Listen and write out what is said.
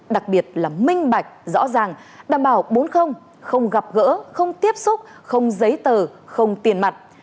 đặc biệt là minh bạch rõ ràng đảm bảo bốn không gặp gỡ không tiếp xúc không giấy tờ không tiền mặt